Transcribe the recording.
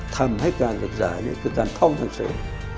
ทำให้การศึกษานี้คือการท่องหนังสือ